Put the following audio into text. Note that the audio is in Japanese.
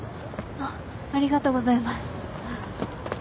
ありがとうございます。